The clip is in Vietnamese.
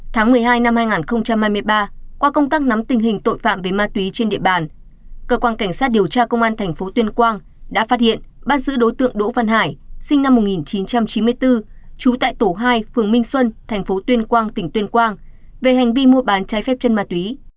tháng một mươi hai năm hai nghìn hai mươi ba qua công tác nắm tình hình tội phạm về ma túy trên địa bàn cơ quan cảnh sát điều tra công an thành phố tuyên quang đã phát hiện bắt giữ đối tượng đỗ văn hải sinh năm một nghìn chín trăm chín mươi bốn trú tại tổ hai phường minh xuân thành phố tuyên quang tỉnh tuyên quang về hành vi mua bán trái phép chân ma túy